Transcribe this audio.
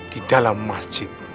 di dalam masjid